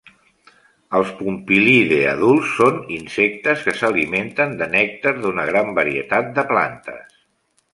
Els Pompilidae adults són insectes que s'alimenten de nèctar d'una gran varietat de plantes.